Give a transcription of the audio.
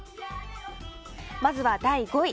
まずは、第５位。